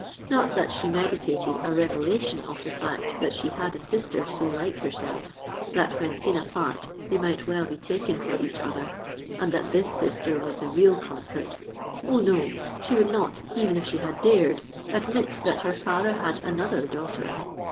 Not that she meditated a revelation of the fact that she had a sister so like herself that, when seen apart, they might well be taken for each other, and that this sister was the real culprit:—oh! no—she would not, even if she had dared, admit that her father had another daughter!